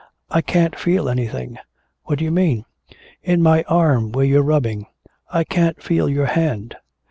"I can't feel anything." "What do you mean?" "In my arm where you're rubbing I can't feel your hand."